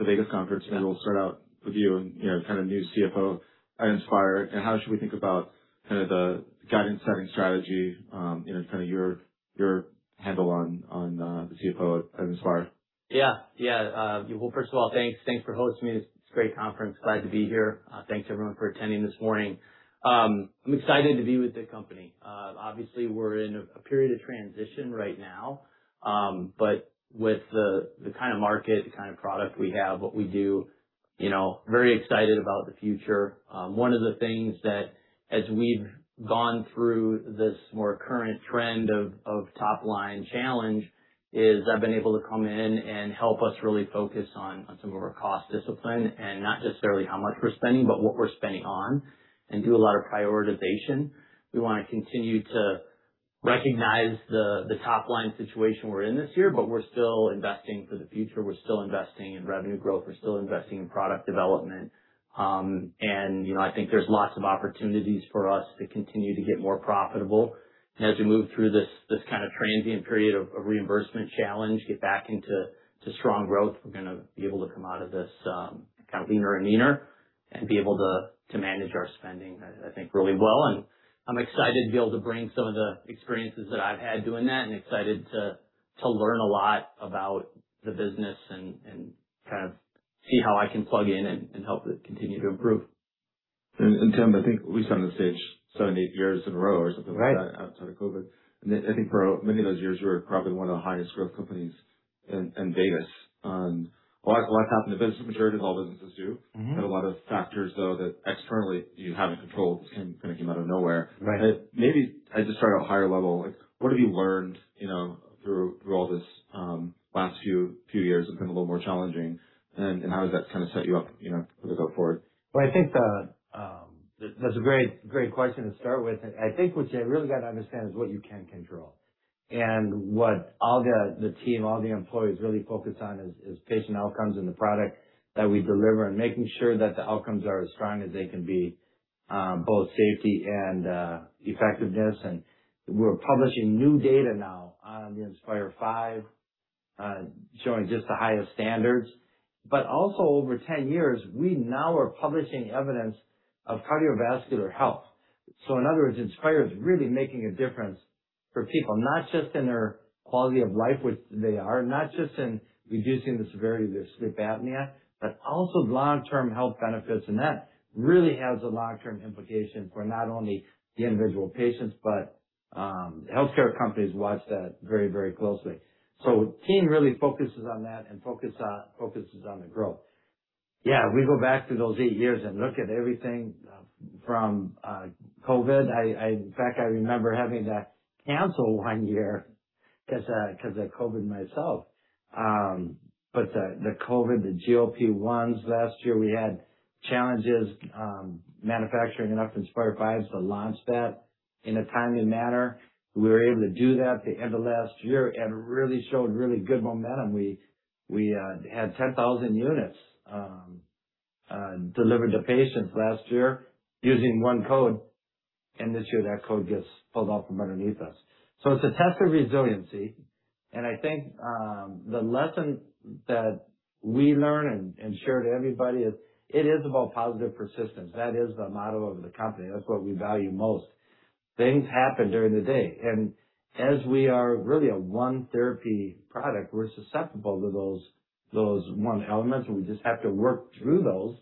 At the Vegas conference. We'll start out with you and, you know, kind of new CFO at Inspire. How should we think about kind of the guidance setting strategy, you know, kind of your handle on, the CFO at Inspire? Yeah. Yeah. Well, first of all, thanks. Thanks for hosting me. It's a great conference. Glad to be here. Thanks everyone for attending this morning. I'm excited to be with the company. Obviously, we're in a period of transition right now. With the kind of market, the kind of product we have, what we do, you know, very excited about the future. One of the things that as we've gone through this more current trend of top-line challenge is I've been able to come in and help us really focus on some of our cost discipline, and not necessarily how much we're spending, but what we're spending on and do a lot of prioritization. We wanna continue to recognize the top-line situation we're in this year, but we're still investing for the future. We're still investing in revenue growth. We're still investing in product development. you know, I think there's lots of opportunities for us to continue to get more profitable. As we move through this kind of transient period of reimbursement challenge, get back into strong growth, we're gonna be able to come out of this kind of leaner and meaner and be able to manage our spending, I think really well. I'm excited to be able to bring some of the experiences that I've had doing that and excited to learn a lot about the business and kind of see how I can plug in and help it continue to improve. Tim, I think we sat on the stage seven to eight years in a row or something like that. Right. Outside of COVID. I think for many of those years, you were probably one of the highest growth companies in Vegas. A lot happened. The business maturity, as all businesses do. Had a lot of factors, though, that externally you haven't controlled. This kind of came out of nowhere. Right. Maybe I just start at a higher level. Like, what have you learned, you know, through all this, last few years? It's been a little more challenging. How has that set you up, you know, for the go forward? Well, I think the, that's a great question to start with. I think what you really got to understand is what you can control. What all the team, all the employees really focus on is patient outcomes and the product that we deliver and making sure that the outcomes are as strong as they can be, both safety and effectiveness. We're publishing new data now on the Inspire V, showing just the highest standards. Over 10 years, we now are publishing evidence of cardiovascular health. In other words, Inspire is really making a difference for people, not just in their quality of life, which they are, not just in reducing the severity of their sleep apnea, but also the long-term health benefits. That really has a long-term implication for not only the individual patients, but healthcare companies watch that very, very closely. The team really focuses on that and focuses on the growth. We go back to those eight years and look at everything from COVID. In fact, I remember having to cancel one year 'cause I had COVID myself. The COVID, the GLP-1s last year, we had challenges manufacturing enough Inspire Vs to launch that in a timely manner. We were able to do that at the end of last year and really showed really good momentum. We had 10,000 units delivered to patients last year using 1 code. This year that code gets pulled out from underneath us. It's a test of resiliency. I think the lesson that we learn and share to everybody is it is about positive persistence. That is the motto of the company. That's what we value most. Things happen during the day. As we are really a one therapy product, we're susceptible to those one elements. We just have to work through those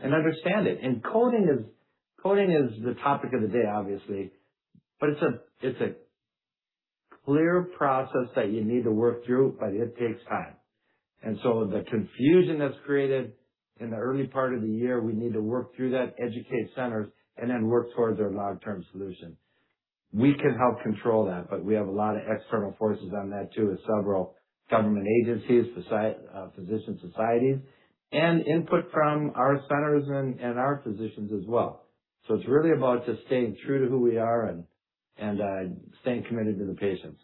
and understand it. Coding is the topic of the day, obviously. It's a clear process that you need to work through, but it takes time. The confusion that's created in the early part of the year, we need to work through that, educate centers, and then work towards a long-term solution. We can help control that, but we have a lot of external forces on that too, with several government agencies, physician societies, and input from our centers and our physicians as well. It's really about just staying true to who we are and staying committed to the patients.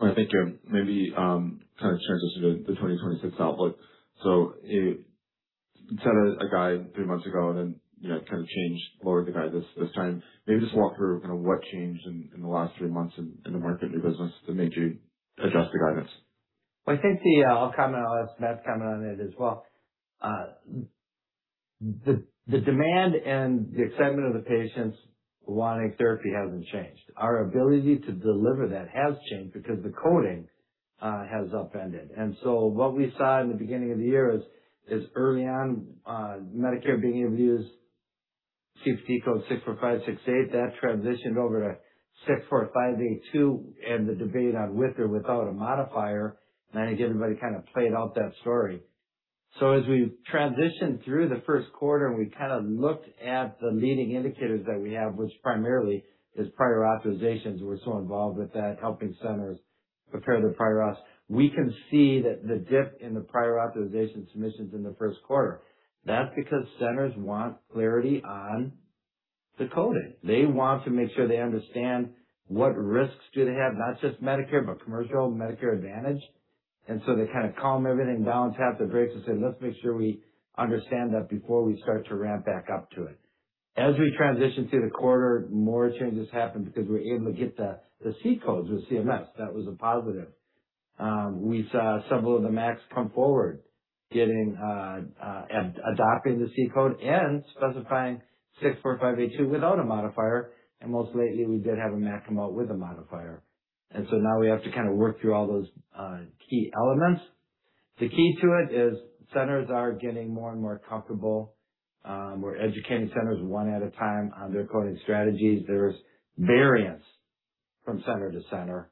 I think you maybe kind of transition to the 2026 outlook. You set a guide three months ago and then, you know, kind of changed, lowered the guide this time. Maybe just walk through what changed in the last three months in the market and your business that made you adjust the guidance. Well, I think the, I'll comment, and I'll ask Matt to comment on it as well. The demand and the excitement of the patients wanting therapy hasn't changed. Our ability to deliver that has changed because the coding has upended. What we saw in the beginning of the year is early on, Medicare being able to use CPT code 64568. That transitioned over to 64582, and the debate on with or without a modifier. I think everybody played out that story. As we transitioned through the first quarter, and we looked at the leading indicators that we have, which primarily is prior authorizations. We're so involved with that, helping centers prepare their prior auths. We can see that the dip in the prior authorization submissions in the first quarter, that's because centers want clarity on the coding. They want to make sure they understand what risks do they have, not just Medicare, but commercial Medicare Advantage. They kinda calm everything down, tap the brakes and say, "Let's make sure we understand that before we start to ramp back up to it." As we transition through the quarter, more changes happen because we're able to get the C-codes with CMS. That was a positive. We saw several of the MACs come forward getting adopting the C-code and specifying 64582 without a modifier. Most lately, we did have a MAC come out with a modifier. Now we have to kinda work through all those key elements. The key to it is centers are getting more and more comfortable. We're educating centers one at a time on their coding strategies. There's variance from center to center.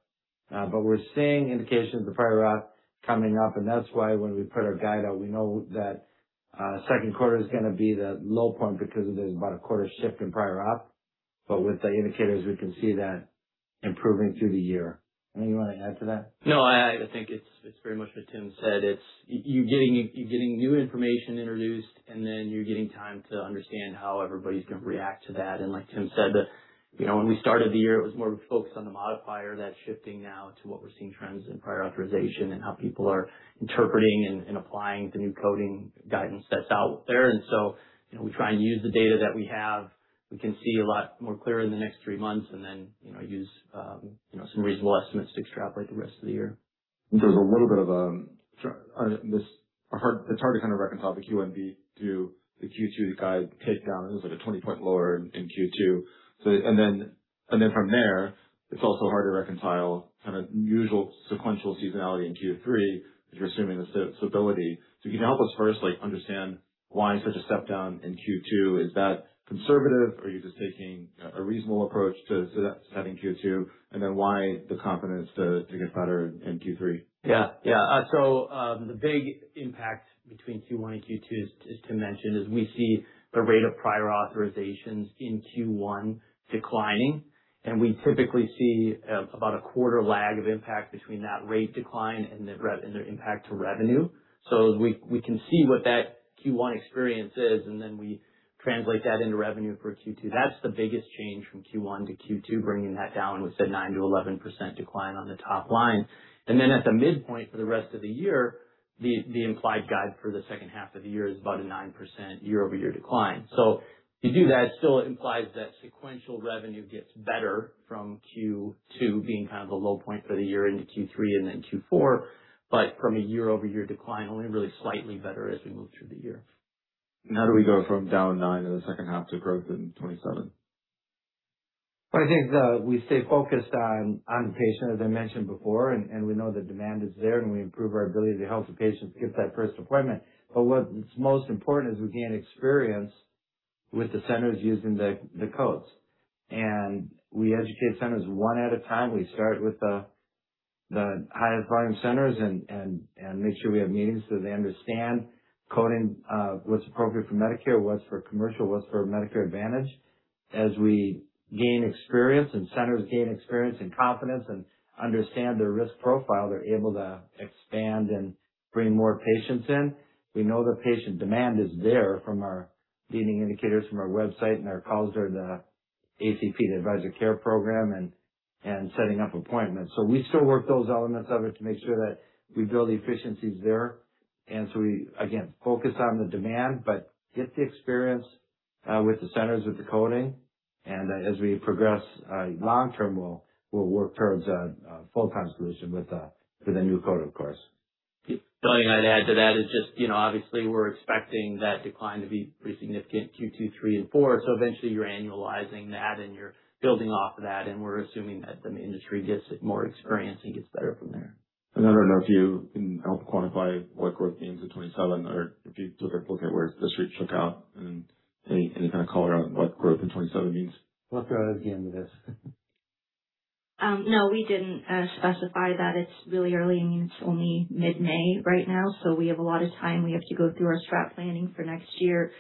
We're seeing indications of prior auth coming up, that's why when we put our guide out, we know that second quarter is gonna be the low point because there's about a quarter shift in prior auth. With the indicators, we can see that improving through the year. Anything you wanna add to that? No, I think it's very much what Tim said. It's you getting new information introduced, and then you're getting time to understand how everybody's gonna react to that. Like Tim said, the, you know, when we started the year, it was more focused on the modifier that's shifting now to what we're seeing trends in prior authorization and how people are interpreting and applying the new coding guidance that's out there. You know, we try and use the data that we have. We can see a lot more clear in the next three months and then, you know, use, you know, some reasonable estimates to extrapolate the rest of the year. There's a little bit of, it's hard to kind of reconcile the Q1 beat to the Q2 guide takedown. It was like a 20-point lower in Q2. From there, it's also hard to reconcile kind of usual sequential seasonality in Q3 if you're assuming the stability. Can you help us first, like, understand why such a step down in Q2? Is that conservative, or are you just taking a reasonable approach to that setting Q2? Why the confidence to get better in Q3? The big impact between Q1 and Q2 is we see the rate of prior authorizations in Q1 declining, and we typically see about a quarter lag of impact between that rate decline and the impact to revenue. We can see what that Q1 experience is, and then we translate that into revenue for Q2. That's the biggest change from Q1 to Q2, bringing that down with the 9%-11% decline on the top line. At the midpoint for the rest of the year, the implied guide for the second half of the year is about a 9% YoY decline. To do that still implies that sequential revenue gets better from Q2 being kind of the low point for the year into Q3 and then Q4, but from a YoY decline, only really slightly better as we move through the year. How do we go from down nine in the second half to growth in 2027? I think we stay focused on the patient, as I mentioned before, and we know the demand is there, and we improve our ability to help the patients get that first appointment. What's most important is we gain experience with the centers using the codes. We educate centers one at a time. We start with the highest volume centers and make sure we have meetings so they understand coding, what's appropriate for Medicare, what's for commercial, what's for Medicare Advantage. As we gain experience and centers gain experience and confidence and understand their risk profile, they're able to expand and bring more patients in. We know the patient demand is there from our leading indicators from our website and our calls through the ACP, the Advisor Care Program, and setting up appointments. We still work those elements of it to make sure that we build the efficiencies there. We, again, focus on the demand, but get the experience with the centers, with the coding. As we progress, long term, we'll work towards a full-time solution with the new code, of course. The only thing I'd add to that is just, you know, obviously we're expecting that decline to be pretty significant, Q2, Q3 and Q4. Eventually you're annualizing that and you're building off of that. We're assuming that the industry gets more experience and gets better from there. I don't know if you can help quantify what growth means in 2027 or if you took a look at where the street shook out and any kind of color on what growth in 2027 means. We'll throw it at the end of this. No, we didn't specify that. It's really early. I mean, it's only mid-May right now. We have a lot of time. We have to go through our strat planning for next year.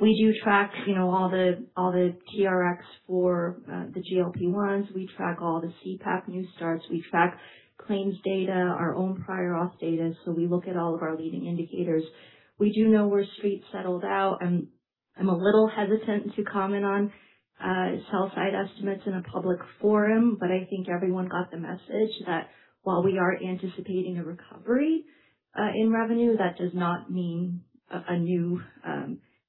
We do track, you know, all the, all the TRx for the GLP-1s. We track all the CPAP new starts. We track claims data, our own prior authorization data. We look at all of our leading indicators. We do know where street settled out. I'm a little hesitant to comment on sell side estimates in a public forum, but I think everyone got the message that while we are anticipating a recovery in revenue, that does not mean a new,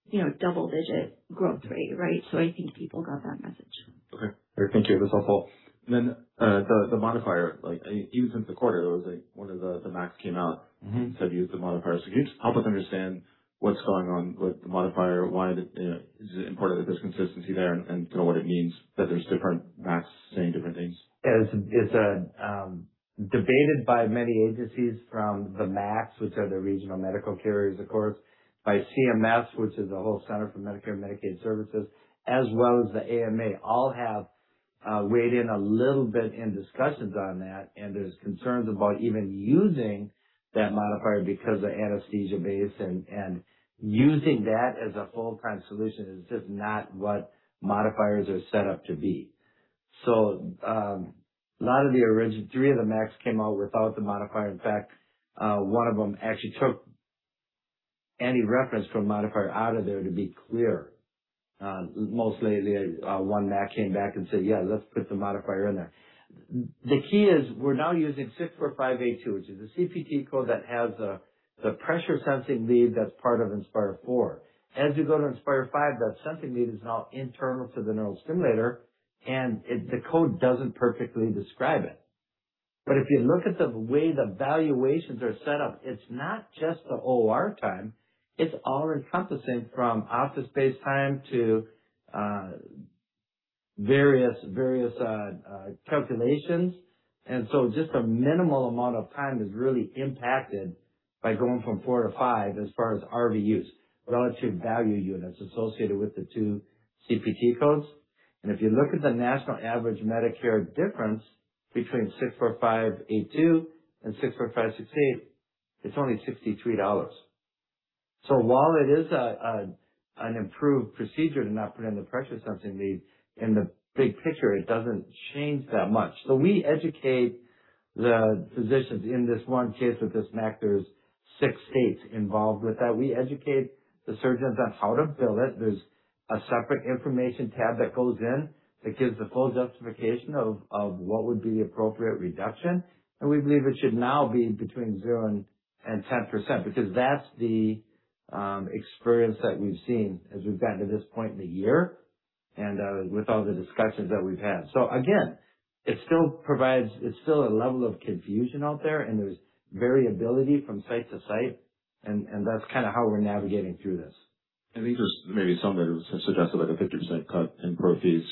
you know, double-digit growth rate, right? I think people got that message. Okay. Great. Thank you. That's helpful. Then, the modifier, like, I think even since the quarter, there was, like, one of the MACs came out and said, "Use the modifier." Can you just help us understand what's going on with the modifier? Is it important that there's consistency there and, kind of, what it means that there's different MACs saying different things? It's debated by many agencies from the MACs, which are the regional medical carriers, of course, by CMS, which is the whole Center for Medicare and Medicaid Services, as well as the AMA, all have weighed in a little bit in discussions on that. There's concerns about even using that modifier because they're anesthesia-based and using that as a full-time solution is just not what modifiers are set up to be. A lot of the 3 MACs came out without the modifier. In fact, one of them actually took any reference from modifier out of there to be clear. Most lately, one MAC came back and said, "Yeah, let's put the modifier in there." The key is we're now using 64582, which is a CPT code that has the pressure sensing lead that's part of Inspire IV. As you go to Inspire V, that sensing lead is now internal to the neurostimulator, and the code doesn't perfectly describe it. If you look at the way the valuations are set up, it's not just the OR time, it's all-encompassing from office space time to various calculations. Just a minimal amount of time is really impacted by going from 4 to 5 as far as RVUs, Relative Value Units associated with the 2 CPT codes. If you look at the national average Medicare difference between 64582 and 64568, it's only $63. While it is an improved procedure to not put in the pressure sensing lead, in the big picture, it doesn't change that much. We educate the physicians. In this one case with this MAC, there's six states involved with that. We educate the surgeons on how to bill it. There's a separate information tab that goes in that gives the full justification of what would be the appropriate reduction. We believe it should now be between 0% and 10% because that's the experience that we've seen as we've gotten to this point in the year with all the discussions that we've had. Again, it's still a level of confusion out there, and there's variability from site to site and that's how we're navigating through this. I think there's maybe somebody who suggested, like, a 50% cut in proceeds.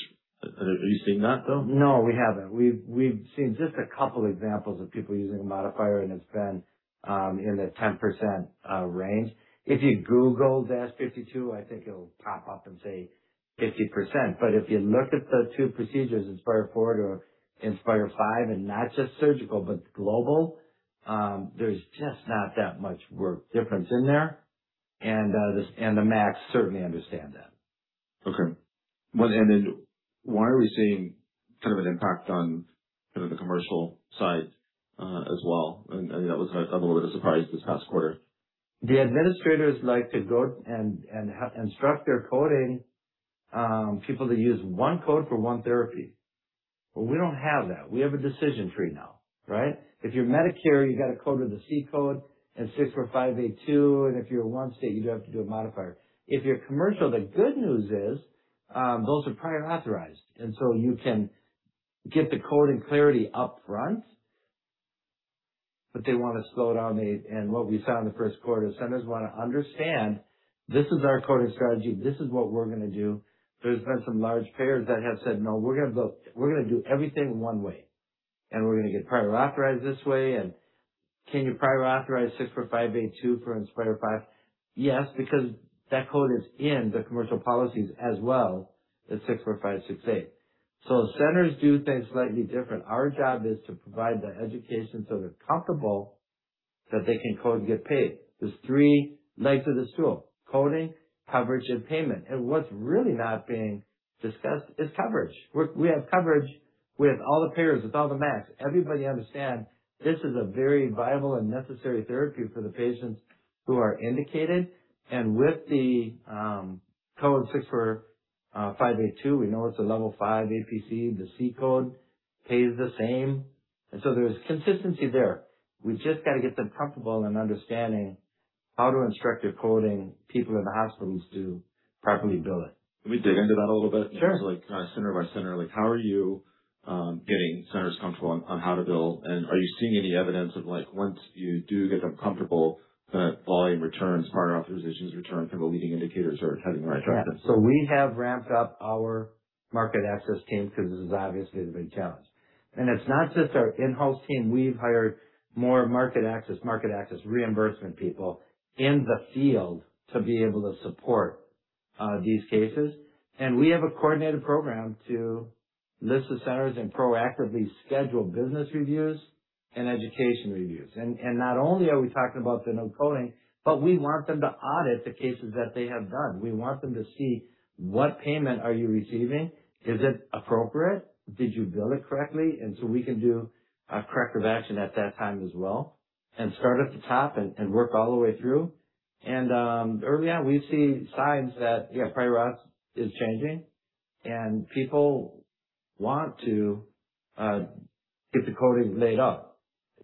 Have you seen that, though? No, we haven't. We've seen just a couple examples of people using a modifier, and it's been in the 10% range. If you Google Modifier 52, I think it'll pop up and say 50%. If you look at the two procedures, Inspire IV to Inspire V, and not just surgical, but global, there's just not that much work difference in there. The MACs certainly understand that. Okay. Why are we seeing kind of an impact on kind of the commercial side, as well? That was, I'm a little bit surprised this past quarter. The administrators like to go and instruct their coding people to use one code for one therapy. We don't have that. We have a decision tree now, right? If you're Medicare, you got to code with a C code and 64582, and if you're one state, you have to do a modifier. If you're commercial, the good news is, those are prior authorized, so you can get the coding clarity up front. They want to slow down the. What we saw in the first quarter, centers want to understand, this is our coding strategy, this is what we're gonna do. There's been some large payers that have said, "No, we're gonna do everything one way, and we're gonna get prior authorized this way. Can you prior authorize 64582 for Inspire V? Yes, because that code is in the commercial policies as well as 64568. Centers do things slightly different. Our job is to provide the education so they're comfortable that they can code and get paid. There's three legs of the stool: coding, coverage, and payment. What's really not being discussed is coverage. We have coverage with all the payers, with all the MACs. Everybody understand this is a very viable and necessary therapy for the patients who are indicated. With the code 64582, we know it's a level 5 APC. The C-code pays the same. There's consistency there. We just got to get them comfortable in understanding how to instruct your coding people in the hospitals to properly bill it. Can we dig into that a little bit? Sure. Like center by center, like how are you getting centers comfortable on how to bill? Are you seeing any evidence of like once you do get them comfortable, the volume returns, margin optimizations return from the leading indicators are heading in the right direction? Yeah. We have ramped up our market access team because this is obviously the big challenge. It's not just our in-house team. We've hired more market access reimbursement people in the field to be able to support these cases. We have a coordinated program to list the centers and proactively schedule business reviews and education reviews. Not only are we talking about the new coding, but we want them to audit the cases that they have done. We want them to see what payment are you receiving. Is it appropriate? Did you bill it correctly? We can do a corrective action at that time as well and start at the top and work all the way through. Early on we see signs that, yeah, prior authorization is changing and people want to get the coding laid out.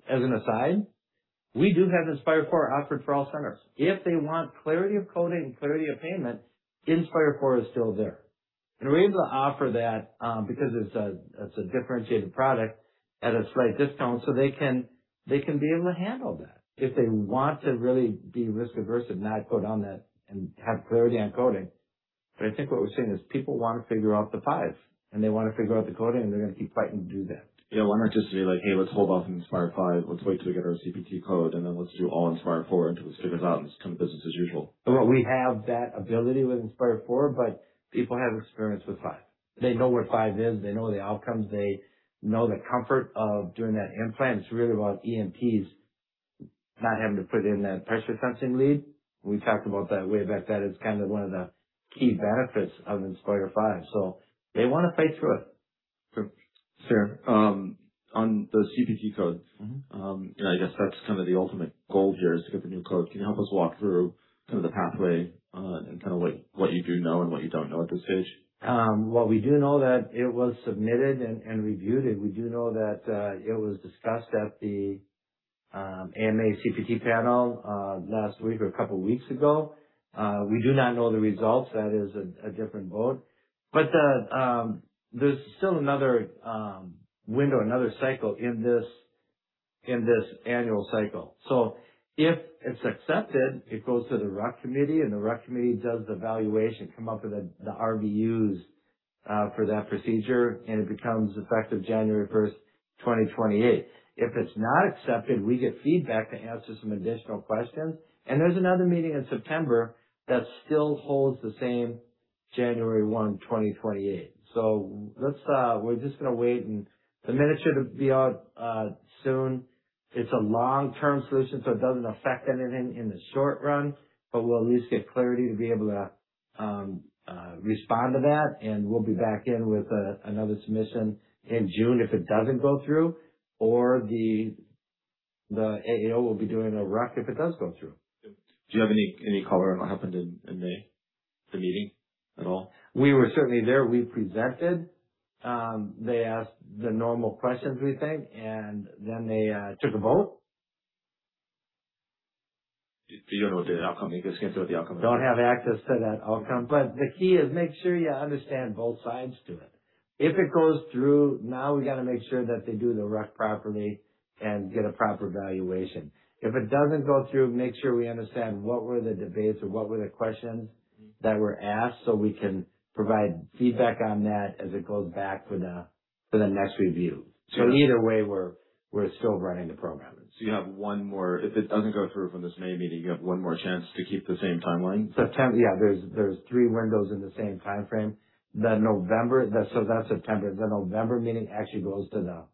As an aside, we do have Inspire IV offered for all centers. If they want clarity of coding, clarity of payment, Inspire IV is still there. We're able to offer that because it's a differentiated product at a slight discount, so they can be able to handle that if they want to really be risk-averse and not put on that and have clarity on coding. I think what we're seeing is people want to figure out the fives, and they want to figure out the coding, and they're going to keep fighting to do that. Why not just say like, "Hey, let's hold off on Inspire V. Let's wait till we get our CPT code, and then let's do all Inspire IV until we figure this out and it's kind of business as usual. Well, we have that ability with Inspire IV, but people have experience with five. They know where five is, they know the outcomes, they know the comfort of doing that implant. It's really about ENTs not having to put in that pressure sensing lead. We talked about that way back then. It's kind of one of the key benefits of Inspire V. They want to fight through it. Sure. On the CPT codes. I guess that's kind of the ultimate goal here is to get the new code. Can you help us walk through some of the pathway, and kind of what you do know and what you don't know at this stage? Well, we do know that it was submitted and reviewed it. We do know that it was discussed at the CPT Editorial Panel last week or a couple weeks ago. We do not know the results. That is a different vote. There's still another window, another cycle in this annual cycle. If it's accepted, it goes to the RUC committee, and the RUC committee does the valuation, come up with the RVUs for that procedure, and it becomes effective January first, 2028. If it's not accepted, we get feedback to answer some additional questions. There's another meeting in September that still holds the same January 1st, 2028. We're just gonna wait and the minute should be out soon. It's a long-term solution, so it doesn't affect anything in the short run, but we'll at least get clarity to be able to respond to that. We'll be back in with another submission in June if it doesn't go through or the AAO will be doing a RUC if it does go through. Do you have any color on what happened in the meeting at all? We were certainly there. We presented. They asked the normal questions, we think, and then they took a vote. You just can't say what the outcome is. Don't have access to that outcome. The key is make sure you understand both sides to it. If it goes through, now we got to make sure that they do the RUC properly and get a proper valuation. If it doesn't go through, make sure we understand what were the debates or what were the questions that were asked, so we can provide feedback on that as it goes back for the, for the next review. Either way, we're still running the program. You have one more. If it doesn't go through from this May meeting, you have one more chance to keep the same timeline. September. Yeah. There's three windows in the same timeframe. So that's September. The November meeting actually goes to the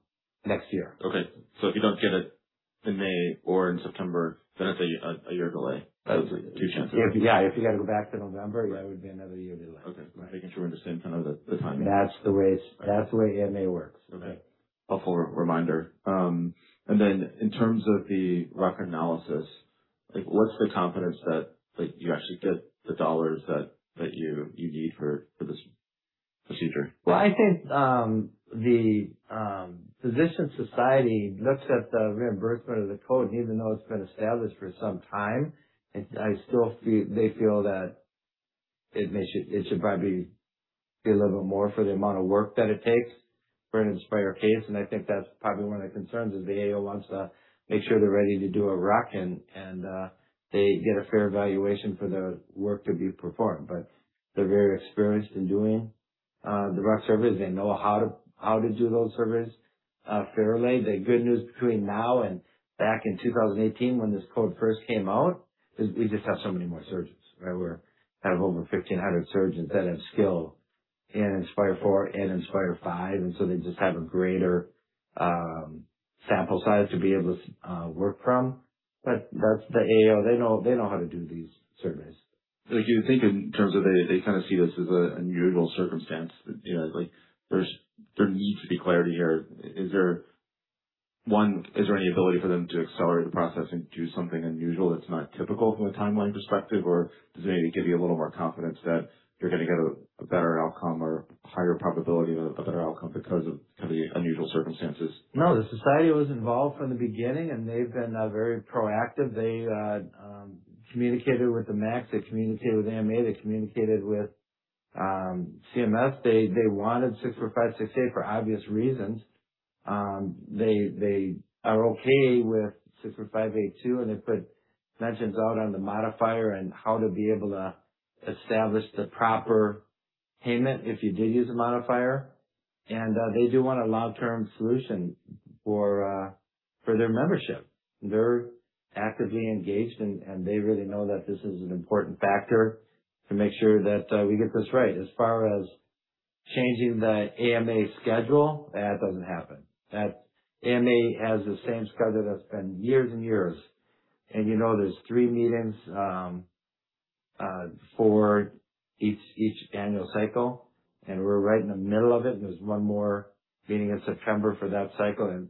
next year. Okay. If you don't get it in May or in September, then it's a year, a year delay. That was two chances. Yeah, if you got to go back to November, that would be another year delay. Okay. Making sure we're on the same kind of the timing. That's the way, that's the way AMA works. Okay. Helpful reminder. Then in terms of the RUC analysis, like, what's the confidence that, like, you actually get the dollars that you need for this procedure? I think the physician society looks at the reimbursement of the code, even though it's been established for some time. I still feel they feel that it should probably be a little bit more for the amount of work that it takes for an Inspire case. I think that's probably one of the concerns is the AO wants to make sure they're ready to do a RUC and they get a fair valuation for the work to be performed. They're very experienced in doing the RUC surveys. They know how to do those surveys fairly. The good news between now and back in 2018 when this code first came out is we just have so many more surgeons, right? We're over 1,500 surgeons that have skill in Inspire IV and Inspire V. They just have a greater sample size to be able to work from. That's the AO. They know how to do these surveys. Like, do you think in terms of they kind of see this as a unusual circumstance, you know, like, there needs to be clarity here? Is there any ability for them to accelerate the process and do something unusual that's not typical from a timeline perspective? Does it maybe give you a little more confidence that you're going to get a better outcome or higher probability of a better outcome because of kind of the unusual circumstances? No, the society was involved from the beginning, they've been very proactive. They communicated with the MACs. They communicated with AMA. They communicated with CMS. They wanted 64568 for obvious reasons. They are okay with 64582, they put mentions out on the modifier and how to be able to establish the proper payment if you did use a modifier. They do want a long-term solution for their membership. They're actively engaged, and they really know that this is an important factor to make sure that we get this right. As far as changing the AMA schedule, that doesn't happen. AMA has the same schedule that's been years and years. You know there's three meetings for each annual cycle, and we're right in the middle of it. There's one more meeting in September for that cycle, and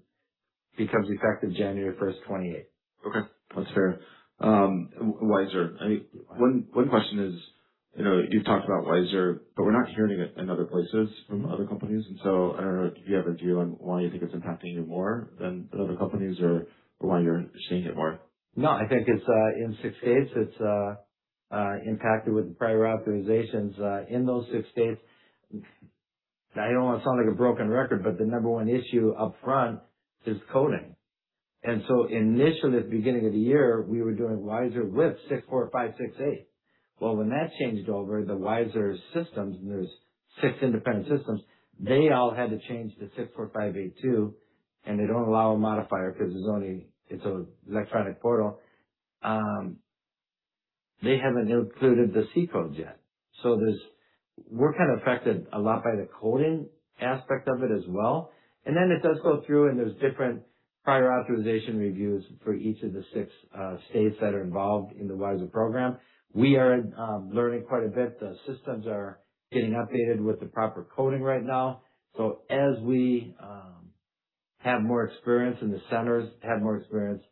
becomes effective January 1st, 2028. Okay. That's fair. WISER. One question is, you know, you've talked about WISER, but we're not hearing it in other places from other companies. I don't know if you have a view on why you think it's impacting you more than the other companies or why you're seeing it more. No, I think it's in six states, it's impacted with the prior authorizations in those six states. I don't want to sound like a broken record, but the number one issue up front is coding. Initially, at the beginning of the year, we were doing WISER with 64568. When that changed over, the WISER systems, and there's six independent systems, they all had to change to 64582, and they don't allow a modifier because there's only it's an electronic portal. They haven't included the C-codes yet. We're kind of affected a lot by the coding aspect of it as well. It does go through, and there's different prior authorization reviews for each of the six states that are involved in the WISER program. We are learning quite a bit. The systems are getting updated with the proper coding right now. As we have more experience and the centers have more experience,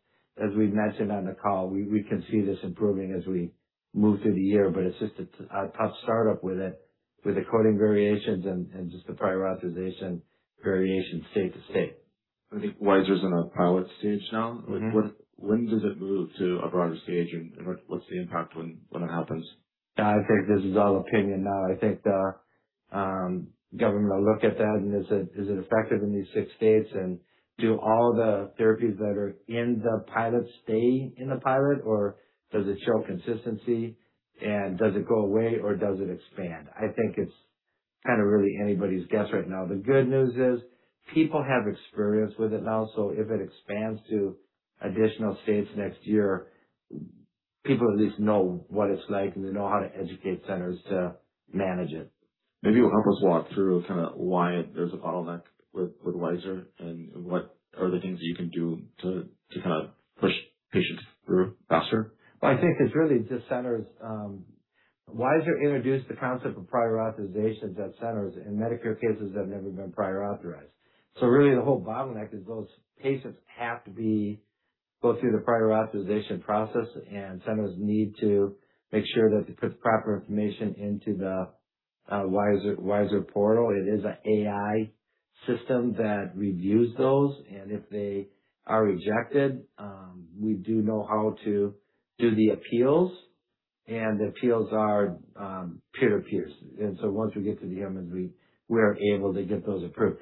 as we've mentioned on the call, we can see this improving as we move through the year. It's just a tough startup with it. With the coding variations and just the prioritization variation state to state. I think WISER's in a pilot stage now. Like, when does it move to a broader stage, and what's the impact when it happens? I think this is all opinion now. I think the government will look at that, is it effective in these six states? Do all the therapies that are in the pilot stay in the pilot, or does it show consistency, and does it go away, or does it expand? I think it's really anybody's guess right now. The good news is people have experience with it now, so if it expands to additional states next year, people at least know what it's like, and they know how to educate centers to manage it. Maybe you help us walk through kind of why there's a bottleneck with WISER and what are the things that you can do to kind of push patients through faster? I think it's really just centers, WISER introduced the concept of prior authorizations at centers and Medicare cases have never been prior authorized. Really the whole bottleneck is those patients have to go through the prior authorization process, and centers need to make sure that they put the proper information into the WISER portal. It is a AI system that reviews those, and if they are rejected, we do know how to do the appeals, and the appeals are peer-to-peer. Once we get to the MDs, we're able to get those approved.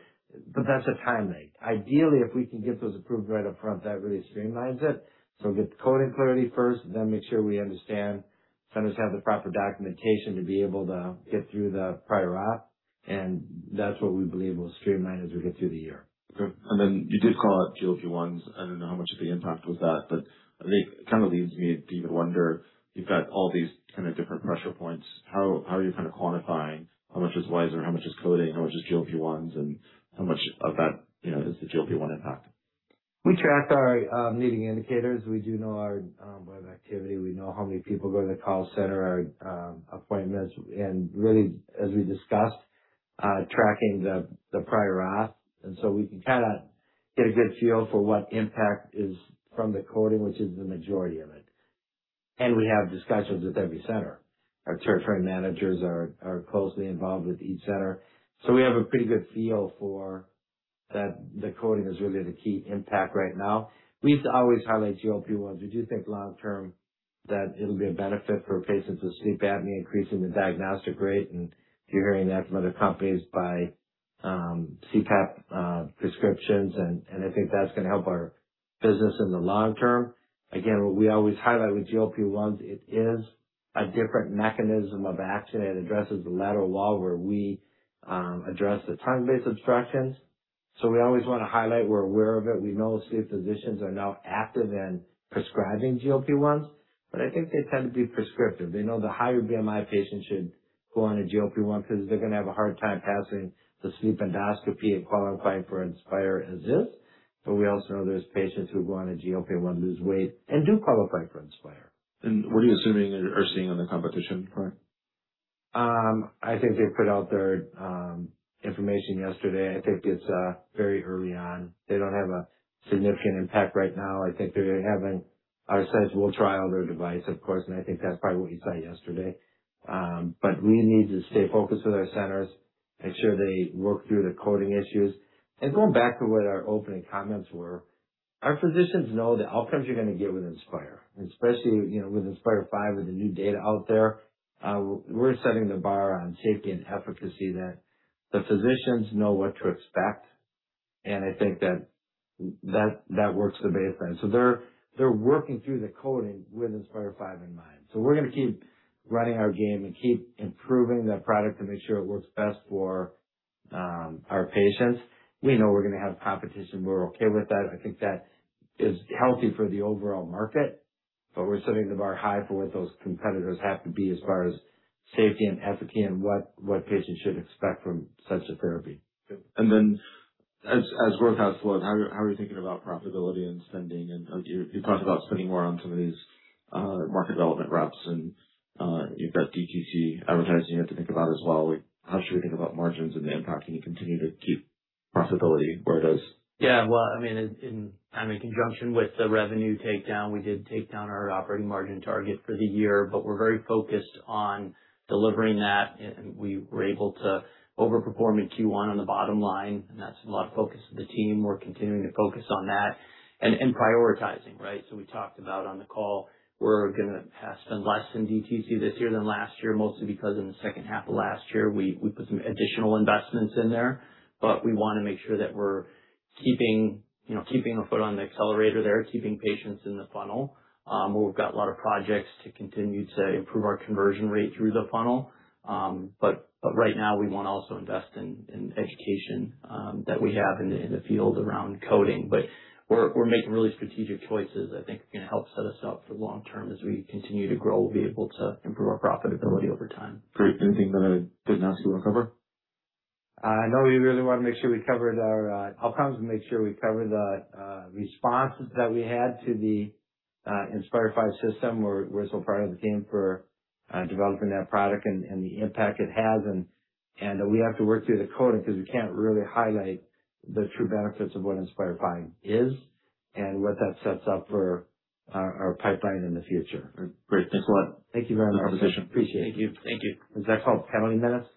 That's a timeline. Ideally, if we can get those approved right up front, that really streamlines it. Get the coding clarity first, make sure we understand centers have the proper documentation to be able to get through the prior auth. That's what we believe will streamline as we get through the year. Okay. Then you did call out GLP-1s. I don't know how much of the impact was that, but I think it leads me to even wonder, you've got all these different pressure points. How are you quantifying how much is WISER, how much is coding, how much is GLP-1s, and how much of that, you know, is the GLP-1 impact? We track our leading indicators. We do know our web activity. We know how many people go to the call center, our appointments. Really, as we discussed, tracking the prior auth. We can get a good feel for what impact is from the coding, which is the majority of it. We have discussions with every center. Our territory managers are closely involved with each center. We have a pretty good feel for that. The coding is really the key impact right now. We used to always highlight GLP-1s. We do think long term that it'll be a benefit for patients with sleep apnea, increasing the diagnostic rate. You're hearing that from other companies by CPAP prescriptions. I think that's gonna help our business in the long term. What we always highlight with GLP-1s, it is a different mechanism of action. It addresses the lateral wall where we address the tongue-based obstructions. We always wanna highlight we're aware of it. We know sleep physicians are now active in prescribing GLP-1s, but I think they tend to be prescriptive. They know the higher BMI patients should go on a GLP-1 because they're gonna have a hard time passing the sleep endoscopy and qualifying for Inspire as is. We also know there's patients who go on a GLP-1, lose weight and do qualify for Inspire. What are you assuming or seeing on the competition front? I think they put out their information yesterday. I think it's very early on. They don't have a significant impact right now. Our centers will try out their device, of course, and I think that's probably what you saw yesterday. We need to stay focused with our centers, make sure they work through the coding issues. Going back to what our opening comments were, our physicians know the outcomes you're gonna get with Inspire, especially, you know, with Inspire V, with the new data out there. We're setting the bar on safety and efficacy that the physicians know what to expect. I think that works to the baseline. They're working through the coding with Inspire V in mind. We're gonna keep running our game and keep improving the product to make sure it works best for our patients. We know we're gonna have competition. We're okay with that. I think that is healthy for the overall market. We're setting the bar high for what those competitors have to be as far as safety and efficacy and what patients should expect from such a therapy. As growth has slowed, how are you thinking about profitability and spending? You talked about spending more on some of these market development reps and you've got DTC advertising you have to think about as well. How should we think about margins and the impact? Can you continue to keep profitability where it is? Yeah. Well, I mean, in conjunction with the revenue takedown, we did take down our operating margin target for the year. We are very focused on delivering that. We were able to overperform in Q1 on the bottom line. That is a lot of focus of the team. We are continuing to focus on that and prioritizing, right? We talked about on the call, we're going to spend less in DTC this year than last year, mostly because in the second half of last year we put some additional investments in there. We wanna make sure that we're keeping, you know, keeping our foot on the accelerator there, keeping patients in the funnel. We've got a lot of projects to continue to improve our conversion rate through the funnel. Right now we wanna also invest in education, that we have in the field around coding. We're making really strategic choices I think are gonna help set us up for the long term. As we continue to grow, we'll be able to improve our profitability over time. Great. Anything that I didn't ask you wanna cover? I know we really wanna make sure we covered our outcomes and make sure we cover the response that we had to the Inspire V system. We're so proud of the team for developing that product and the impact it has. We have to work through the coding because we can't really highlight the true benefits of what Inspire V is and what that sets up for our pipeline in the future. Great. Thanks a lot. Thank you very much. Appreciate it. Thank you. Thank you. Is that called panel minutes?